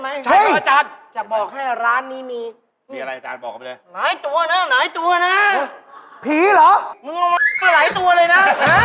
มึงม้าไม่๙๙ก็หลายตัวเลยนะ